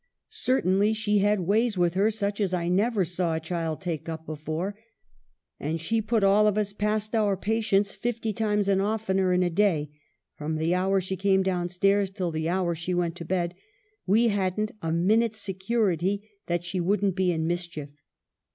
... Certainly she had ways with her such as I never saw a child take up before ; and she put all of us past our patience fifty times and oftener in a day ; from the hour she came down stairs till the hour she went to bed, we hadn't a minute's security that she wouldn't be in mischief.